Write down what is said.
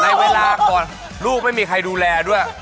ในเวลาก่อนลูกไม่มีใครดูแลด้วย